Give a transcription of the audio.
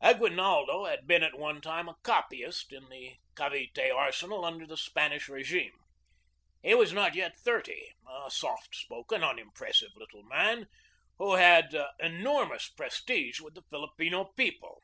Aguinaldo had been at one time a copyist in the Cavite arsenal under the Spanish regime. He was not yet thirty, a soft spoken, unimpressive little man, who had enormous prestige with the Filipino people.